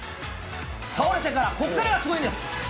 倒れてから、ここからがすごいんです。